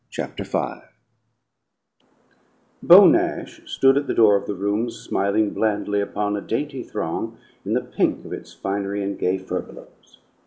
Chapter Five Beau Nash stood at the door of the rooms, smiling blandly upon a dainty throng in the pink of its finery and gay furbelows.